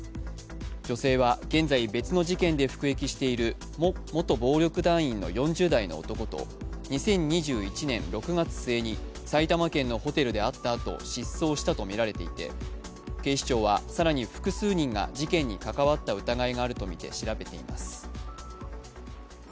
女性は現在別の事件で服役している元暴力団員の４０代の男と２０２１年６月末に埼玉県のホテルで会ったあと失踪したとみられていて、警視庁は更に複数人が事件に関わった疑いがあると見て調べています。